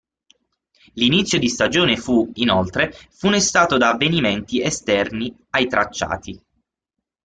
L'inizio di stagione fu, inoltre, funestato da avvenimenti esterni ai tracciati.